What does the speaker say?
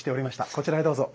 こちらへどうぞ。